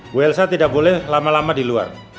bu elsa tidak boleh lama lama di luar